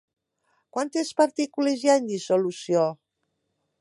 Quantes partícules hi ha en dissolució?